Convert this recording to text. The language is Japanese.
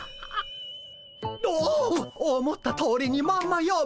おお思ったとおりにまんまよむ。